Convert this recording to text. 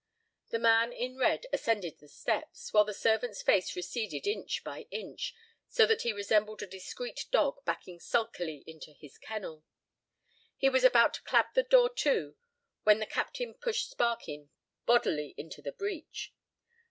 The man in red ascended the steps, while the servant's face receded inch by inch, so that he resembled a discreet dog backing sulkily into his kennel. He was about to clap the door to, when the captain pushed Sparkin bodily into the breach.